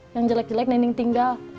yang jelek jelek nending tinggal